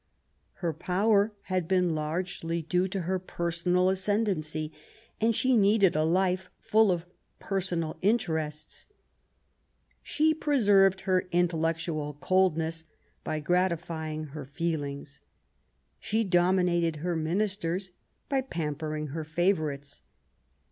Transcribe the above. Her power had been largely due to her personal THE NEW ENGLAND, 241 ascendancy, and she needed a life full of personal interests. She preserved her intellectual coldness by gratifying her feelings. She dominated her ministers by pampering her favourites.